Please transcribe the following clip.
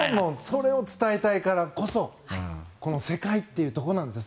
それを伝えたいからこそこの世界というところです。